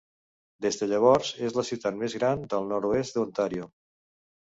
Des de llavors, és la ciutat més gran del nord-oest d'Ontàrio.